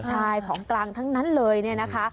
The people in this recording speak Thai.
ใช่ของกลางทั้งนั้นเลยเนี่ยนะคะ